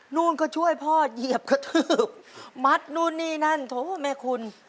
นู่นก็ช่วยพ่อเหยียบกระทืบมัดนู่นนี่นั่นโถแม่คุณ